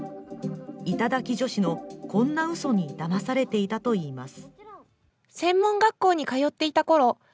頂き女子のこんなうそにだまされていたといいます。